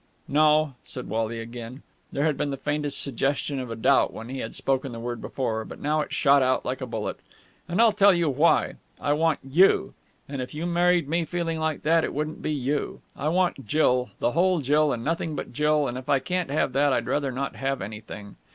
"No!" said Wally again. There had been the faintest suggestion of a doubt when he had spoken the word before, but now it shot out like a bullet. "And I'll tell you why. I want you and, if you married me feeling like that, it wouldn't be you. I want Jill, the whole Jill, and nothing but Jill, and, if I can't have that, I'd rather not have anything.